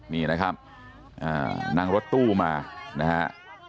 นี่นะครับนั่งรถตู้มานะฮะ